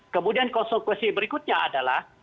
kemudian konsekuensi berikutnya adalah